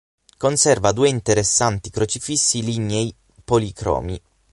Conserva due interessanti crocifissi lignei policromi.